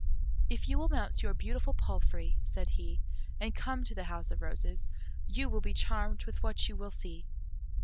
"If you will mount your beautiful palfrey," said he, "and come to the House of Roses, you will be charmed with what you will see."